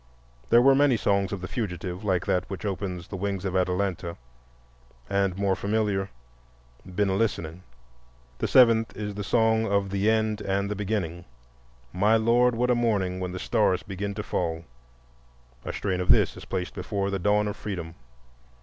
There were many songs of the fugitive like that which opens "The Wings of Atalanta," and the more familiar "Been a listening." The seventh is the song of the End and the Beginning—"My Lord, what a mourning! when the stars begin to fall"; a strain of this is placed before "The Dawn of Freedom."